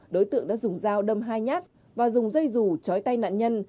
đối tượng đã dùng dao đâm hai nhát và dùng dây dù chói tay nạn nhân